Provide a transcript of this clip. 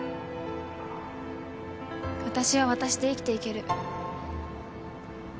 私は私で生きていける。